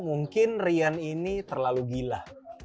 mungkin rian ini terlalu gila